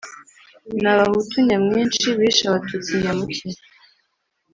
ni abahutu nyamwinshi bishe abatutsi nyamuke.